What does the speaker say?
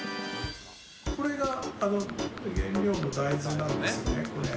これが原料の大豆なんですね。